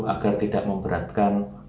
agar tidak memberatkan